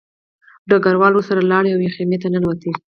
ډګروال ورسره لاړ او یوې خیمې ته ننوت